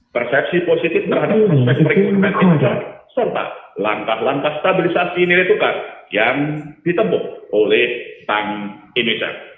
persepsi positif terhadap aspek perekonomian serta langkah langkah stabilisasi nilai tukar yang ditempuh oleh bank indonesia